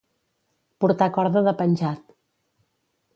Portar corda de penjat.